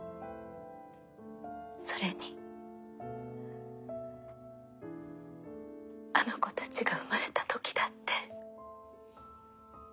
それにあの子たちが生まれた時だって。